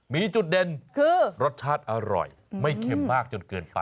มีจุดเด่นคือรสชาติอร่อยไม่เค็มมากจนเกินไป